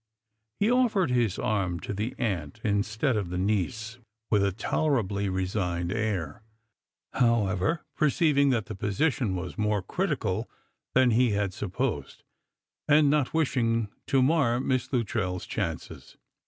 He offered his arm to the aunt instead of the niece, with a tolerably resigned air, however, perceiving that the position waa more critical than he had supposed, and not wishing to mar Mise Luttrell's chances.